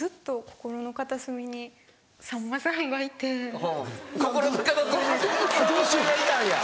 心の片隅にさんまさんがいたんや。